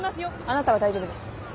あなたは大丈夫です。